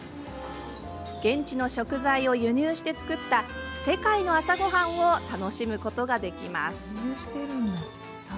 現地の食材を輸入して作った世界の朝ごはんを楽しむことができます。